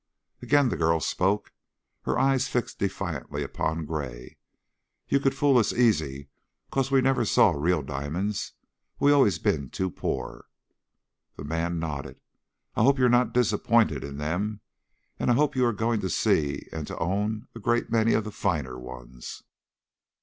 Again the girl spoke, her eyes fixed defiantly upon Gray. "You could fool us easy, 'cause we never saw real di'mon's. We've allus been too pore." The man nodded. "I hope you're not disappointed in them and I hope you are going to see and to own a great many finer ones.